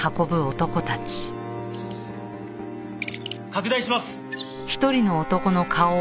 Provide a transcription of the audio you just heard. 拡大します！